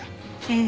ええ。